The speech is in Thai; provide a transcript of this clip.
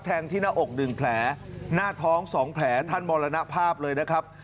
ที่หน้าอก๑แผลหน้าท้อง๒แผลท่านมรณภาพเลยนะครับ